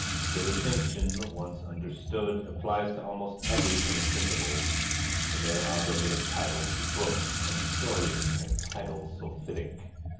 The distinction, once understood, applies to almost everything thinkable. There are bromidic titles to books and stories, and titles sulphitic.